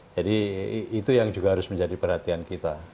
jadi itu yang juga harus menjadi perhatian kita